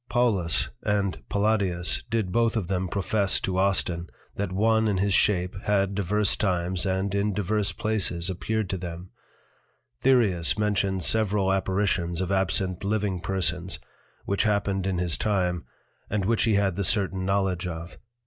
Paulus and Palladius did both of them profess to Austin, that one in his shape, had divers times, and in divers places appeared to them: Thyreus mentions several Apparitions of absent living persons, which happened in his time, and which he had the certain knowledge of.